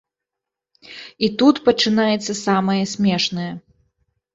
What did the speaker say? І тут пачынаецца самае смешнае.